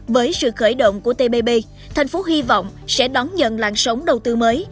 với sự khởi động của tpp thành phố hy vọng sẽ đón nhận làn sống đầu tư mới